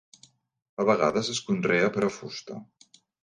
A vegades es conrea per a fusta.